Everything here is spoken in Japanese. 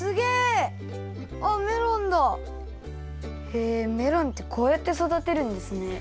へえメロンってこうやってそだてるんですね。